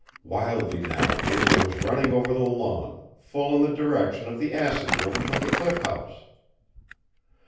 Wildly now Eva was running over the lawn, full in the direction of the acid room from the Cliff House.